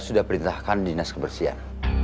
mau apa gang motor ke pasar